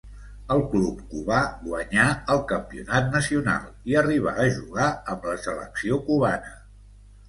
Al club cubà guanyà el campionat nacional i arribà a jugar amb la selecció cubana.